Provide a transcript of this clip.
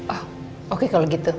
oh oke kalau gitu